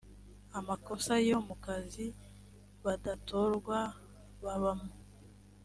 amakosa yo mu kazi badatorwa babamo